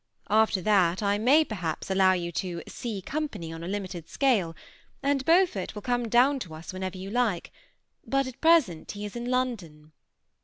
After that I may perhaps allow you to 'see company' on a limited scale; and Beaufort will come down to us whenever you like, but at present he is in London."